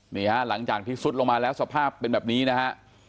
หลังจากที่ซุดลงมาแล้วสภาพเป็นแบบนี้นะฮะ